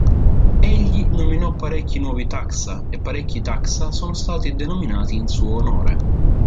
Egli nominò parecchi nuovi taxa e parecchi taxa sono stati denominati in suo onore.